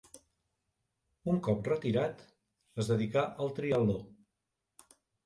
Un cop retirat es dedicà al triatló.